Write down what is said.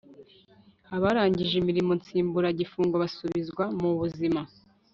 abarangije imirimo nsimburagifungo basubizwa mu buzima